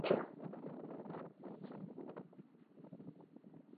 Zdejší oblast patří do úmoří Baltského moře.